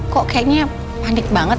kok kayaknya panik banget